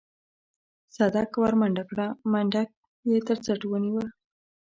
صدک ورمنډه کړه منډک يې تر څټ ونيوه.